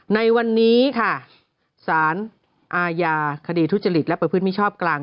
ในวันนี้ค่ะสารอาญาคดีทุจริตและประพฤติมิชอบกลาง